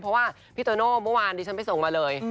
เพราะว่าพี่โตโน่เมื่อวานดิฉันไปส่งมาเลย